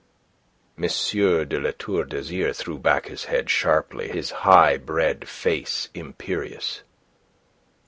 M. de La Tour d'Azyr threw back his head sharply, his high bred face imperious.